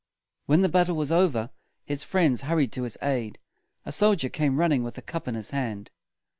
When the battle was over, his friends hurried to his aid. A soldier came running with a cup in his hand.